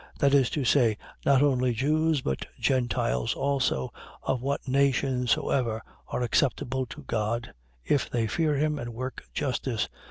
.That is to say, not only Jews, but Gentiles also, of what nation soever, are acceptable to God, if they fear him and work justice.